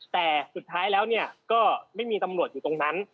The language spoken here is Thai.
แต่สุดท้ายแล้วก็ไม่มีตำรวจอยู่ตรงนั้น